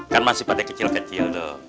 kan masih pada kecil kecil tuh